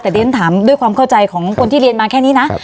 แต่ดิฉันถามด้วยความเข้าใจของคนที่เรียนมาแค่นี้นะ